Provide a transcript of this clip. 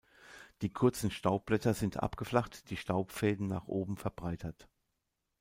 Die kurzen Staubblätter sind abgeflacht, die Staubfäden nach oben verbreitert.